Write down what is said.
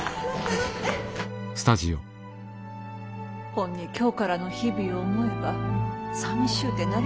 ほんに今日からの日々を思えばさみしゅうてなりませぬ。